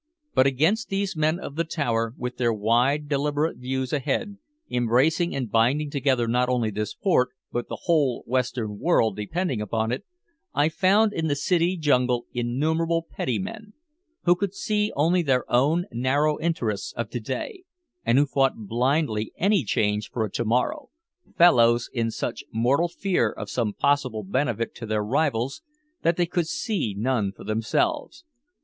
But against these men of the tower, with their wide, deliberate views ahead, embracing and binding together not only this port but the whole western world depending upon it, I found in the city jungle innumerable petty men, who could see only their own narrow interests of to day, and who fought blindly any change for a to morrow fellows in such mortal fear of some possible benefit to their rivals that they could see none for themselves.